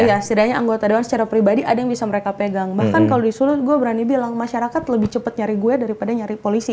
iya setidaknya anggota dewan secara pribadi ada yang bisa mereka pegang bahkan kalau disuruh gue berani bilang masyarakat lebih cepat nyari gue daripada nyari polisi